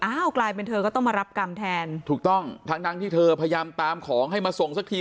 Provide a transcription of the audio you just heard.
กลายเป็นเธอก็ต้องมารับกรรมแทนถูกต้องทั้งทั้งที่เธอพยายามตามของให้มาส่งสักที